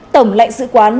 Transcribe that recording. tổng lệnh sứ quán